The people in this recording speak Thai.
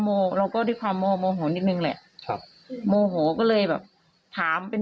เราก็ด้วยความโมโมโหนิดนึงแหละครับโมโหก็เลยแบบถามเป็น